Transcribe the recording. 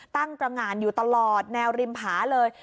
ตั้งตรงานอยู่ตลอดแนวริมผาเลย